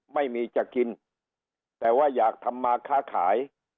ไม่มีจะกินแต่ว่าอยากทำมาค้าขาย